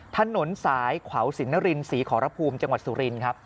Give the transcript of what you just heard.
ถนนสายขวาวสินนรินศรีขอรภูมิจังหวัดสุรินครับ